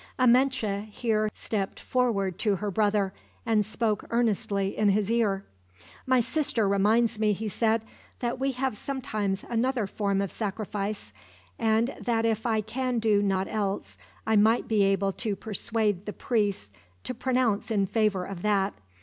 Amenche here stepped forward to her brother, and spoke earnestly in his ear. "My sister reminds me," he said, "that we have sometimes another form of sacrifice; and that if I can do naught else, I might be able to persuade the priests to pronounce in favor of that.